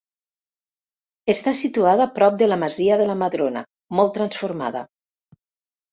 Està situada prop de la Masia de la Madrona, molt transformada.